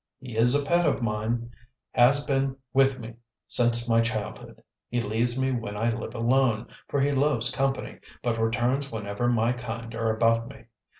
He is a pet of mine; has been with me since my childhood. He leaves me when I live alone, for he loves company, but returns whenever my kind are about me.